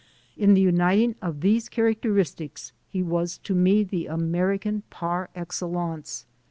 In the uniting of these characteristics, he was to me the American par excellence.